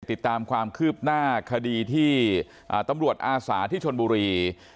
ติดตามความคืบหน้าคดีที่ตำรวจอาสาที่ชนบุรี